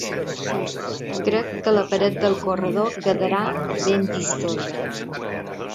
Crec que la paret del corredor quedarà ben vistosa.